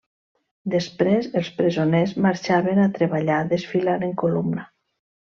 Després els presoners marxaven a treballar desfilant en columna.